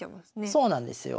そうなんですよ。